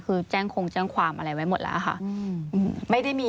คือแจ้งคงแจ้งความอะไรไว้หมดแล้วค่ะ